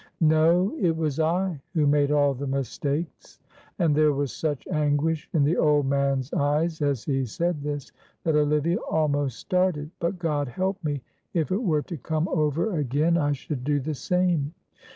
"No, it was I who made all the mistakes," and there was such anguish in the old man's eyes as he said this, that Olivia almost started; "but God help me, if it were to come over again I should do the same.